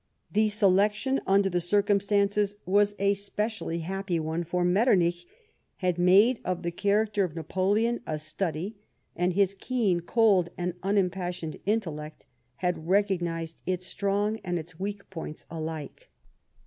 The selection, under the circumstances, was a specially happy one, for Metternich had made of the character of Napoleon a study, and his keen, cold, and unimpassioned intellect had recognised its strong and its weak points alike.